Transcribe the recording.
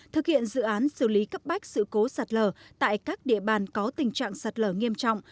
thực hiện dự án xử lý cấp bách sự cố sạt lở tại các địa bàn có tình trạng sạt lở nghiêm trọng